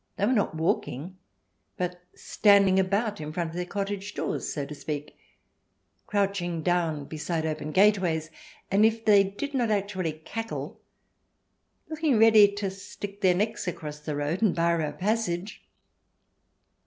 They were not walking, but standing about in front of their cottage doors, so to speak, crouching down beside open gateways, and if they did not actually cackle, looking ready to stick their necks across the road and bar our passage.